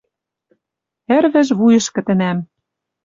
Ӹрвӹж вуйышкы тӹнӓм